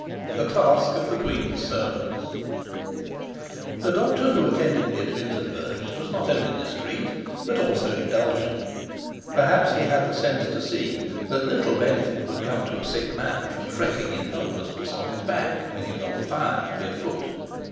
THE TASK OF THE QUEEN'S SERVANTS THE doctor who attended me at Wintenberg was not only discreet, but also indulgent; perhaps he had the sense to see that little benefit would come to a sick man from fretting in helplessness on his back, when he was on fire to be afoot.